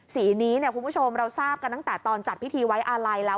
สีนี้คุณผู้ชมเราทราบกันตั้งแต่ตอนจัดพิธีไว้อาลัยแล้ว